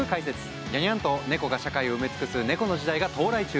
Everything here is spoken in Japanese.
にゃにゃんと猫が社会を埋め尽くす猫の時代が到来中。